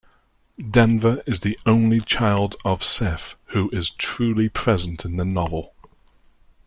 Denver is the only child of Sethe who is truly present in the novel.